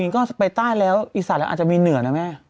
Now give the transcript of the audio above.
ก็ไปใต้แล้วอีสานแล้วอาจจะมีเหนือนะแม่